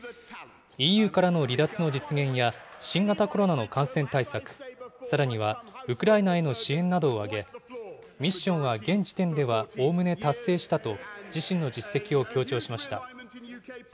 ＥＵからの離脱の実現や新型コロナの感染対策、さらにはウクライナへの支援などを挙げ、ミッションは現時点ではおおむね達成したと、自身の実績を強調しました。